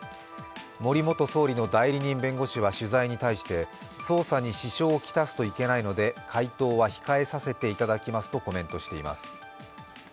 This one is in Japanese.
森元総理の代理人弁護士は取材に対し捜査に支障を来すといけないので回答は控えさせていただきますとコメントしています。